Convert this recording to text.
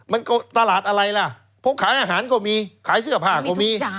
มันก็ตลาดอะไรล่ะเพราะขายอาหารก็มีขายเสื้อผ้าก็มี